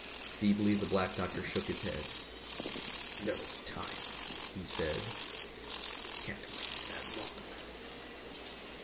Feebly the Black Doctor shook his head. "No time," he said. "Can't wait that long."